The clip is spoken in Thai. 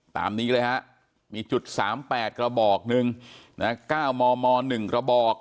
ตามนี้เลยฮะมีจุด๓๘กระบอกหนึ่งนะ๙มม๑กระบอก